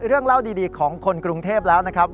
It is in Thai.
เรื่องเล่าดีของคนกรุงเทพแล้วนะครับ